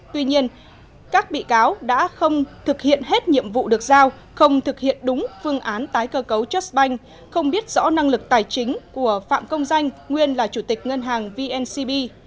tuy nhiên các bị cáo đã không thực hiện hết nhiệm vụ được giao không thực hiện đúng phương án tái cơ cấu chất banh không biết rõ năng lực tài chính của phạm công danh nguyên là chủ tịch ngân hàng vncb